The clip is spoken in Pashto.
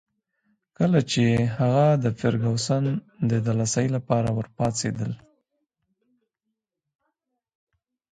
کله چي هغه د فرګوسن د دلاسايي لپاره ورپاڅېدل.